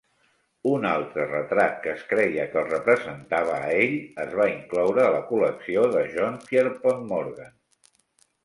Un altre retrat que es creia que el representava a ell es va incloure a la col·lecció de John Pierpont Morgan.